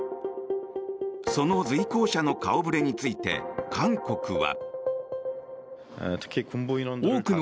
その随行者の顔触れについて韓国は。